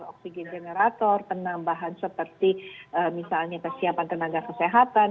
oksigen generator penambahan seperti misalnya kesiapan tenaga kesehatan